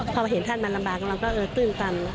พอเห็นท่านมาลำบากแล้วก็ตื่นตั่น